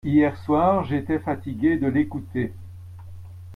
Hier soir j'étais fatigué de l'écouter.